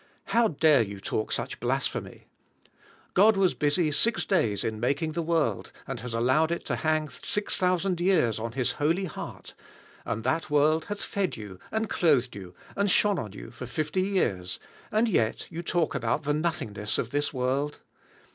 How dare you talk such blasphemy? God was busy six days in making the world, and has allowed it to hang six thousand years on his holy heart; and that world hath fed you, and clothed you, and shone on you for fifty years: and yet you talk about the nothingness of this world!